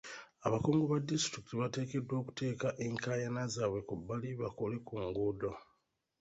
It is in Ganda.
Abakungu ba disitulikiti bateekeddwa okuteeka enkaayana zaabwe ku bbali bakole ku nguudo.